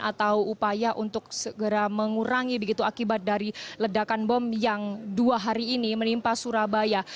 atau upaya untuk segera mengurangi begitu akibat dari ledakan bom yang dua hari ini menimpa surabaya